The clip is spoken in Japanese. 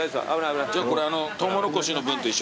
これあのトウモロコシの分と一緒で。